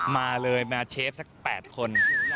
มาเลยมาเชฟสัก๘คน